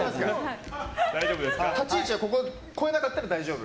立ち位置は越えなかったら大丈夫？